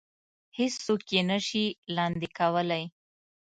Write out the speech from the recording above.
هېڅ څوک يې نه شي لاندې کولی.